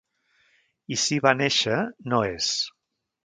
I si va néixer, no és.